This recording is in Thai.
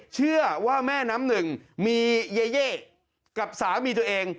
เชื่อว่าแม่น้ำหนึ่งมีเย่กับสามีตัวเอง